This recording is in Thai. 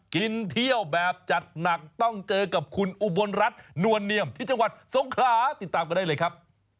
กินเที่ยวแบบจัดหนักต้องเจอกับคุณอุบลรัฐนวลเนียมที่จังหวัดสงขลาติดตามกันได้เลยครับ